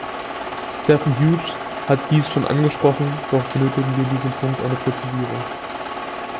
Stephen Hughes hat dies schon angesprochen, doch benötigen wir in diesem Punkt eine Präzisierung.